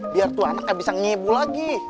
biar tuh anaknya bisa ngebu lagi